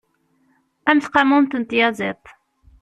A mm tqamumt n tyaziḍt!